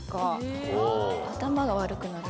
頭が悪くなる。